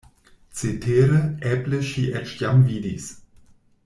Cetere, eble ŝi eĉ jam vidis!